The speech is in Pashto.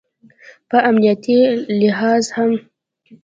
په امنیتي لحاظ هم